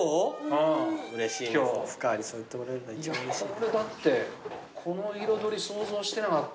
これだってこの彩り想像してなかったわ。